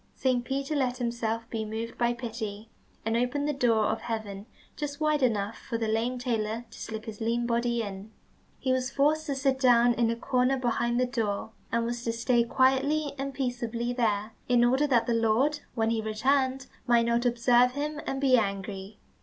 Saint Peter let himself be moved by pity, and opened the door of heaven just wide enough for the lame tailor to slip his lean body in. He was forced to sit down in a corner behind the door, and was to stay quietly and peaceably there, in order that the Lord, when he returned, might not observe him and be angry.